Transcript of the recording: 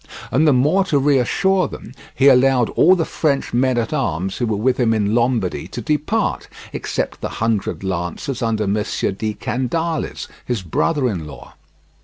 And the more to reassure them, he allowed all the French men at arms who were with him in Lombardy to depart, except the hundred lancers under Mons. di Candales, his brother in law.